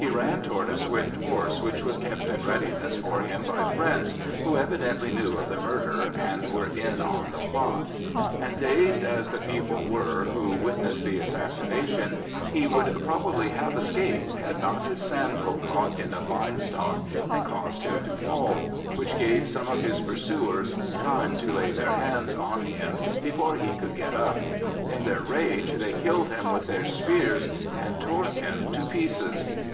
He ran toward a swift horse which was kept in readiness for him by friends who evidently knew of the murder and were in the plot; and, dazed as the people were who witnessed the assassination, he would probably have escaped, had not his sandal caught in a vine stock and caused him to fall, which gave some of his pursuers time to lay their hands on him before he could get up. In their rage, they killed him with their spears and tore him to pieces.